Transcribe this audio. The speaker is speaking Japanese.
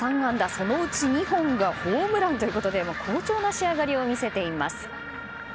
そのうち２本がホームランということで好調な仕上がりを見せています。